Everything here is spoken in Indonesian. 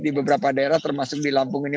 di beberapa daerah termasuk di lampung ini